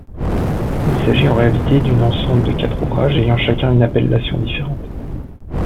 Il s'agit en réalité d'une ensemble de quatre ouvrages ayant chacun une appellation différente.